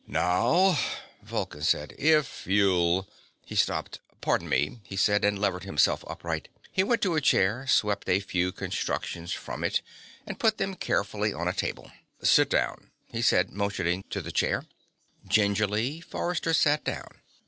"Now," Vulcan said, "if you'll " He stopped. "Pardon me," he said, and levered himself upright. He went to a chair, swept a few constructions from it and put them carefully on a table. "Sit down," he said, motioning to the chair. Gingerly, Forrester sat down.